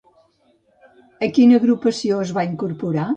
A quina agrupació es va incorporar?